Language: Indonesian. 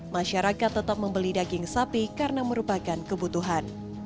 masyarakat tetap membeli daging sapi karena merupakan kebutuhan